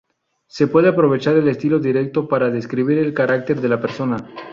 Se puede aprovechar el estilo directo para describir el carácter de la persona.